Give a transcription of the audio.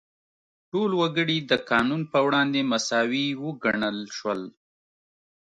ټول وګړي د قانون په وړاندې مساوي وګڼل شول.